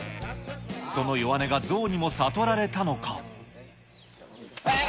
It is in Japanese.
その弱音が象にも悟られたのか。